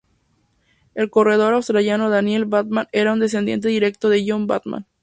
El corredor australiano Daniel Batman era un descendiente directo de John Batman.